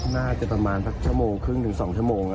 น่าจะประมาณสักชั่วโมงครึ่งถึง๒ชั่วโมง